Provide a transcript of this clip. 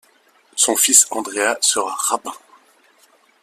Son fils Andreas sera rabbin.